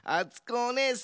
おねえさん